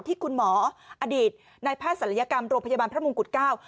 ที่คุณหมออดีตในท่านศัลยกรรมรวชพัยบาลพระภรรยบันกุฎเก้า